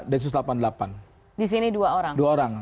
densus delapan puluh delapan disini dua orang